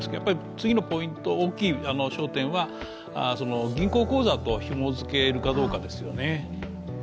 次のポイント、大きい焦点は銀行口座とひも付けるかどうかですよね。